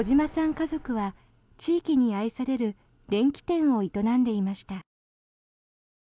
家族は地域に愛される電器店を営んでいました。